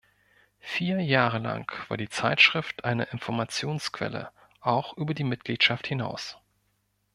Vier Jahre lang war die Zeitschrift eine Informationsquelle auch über die Mitgliedschaft hinaus.